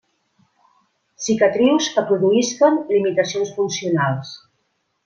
Cicatrius que produïsquen limitacions funcionals.